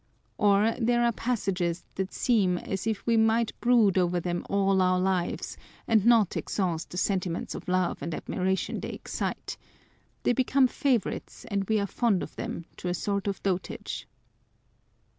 Or there are passages that seem as if we might brood over them all our lives, and not exhaust the sentiments of love and admiration they excite : they become favourites, and we are fond of them to a sort of dotage.